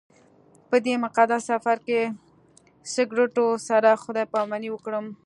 په دې مقدس سفر کې سګرټو سره خدای پاماني وکړم.